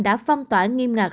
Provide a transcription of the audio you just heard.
đã phong tỏa nghiêm ngạc